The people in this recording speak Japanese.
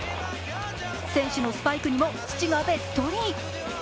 選手のスパイクにも土がべっとり。